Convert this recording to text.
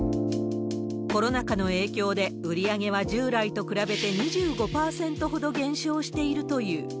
コロナ禍の影響で、売り上げは従来と比べて２５％ほど減少しているという。